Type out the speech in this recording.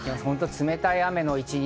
冷たい雨の一日。